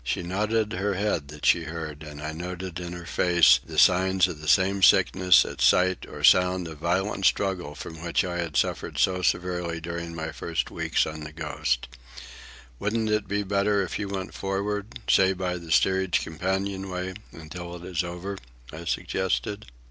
She nodded her head that she heard, and I noted in her face the signs of the same sickness at sight or sound of violent struggle from which I had suffered so severely during my first weeks on the Ghost. "Wouldn't it be better if you went forward, say by the steerage companion way, until it is over?" I suggested.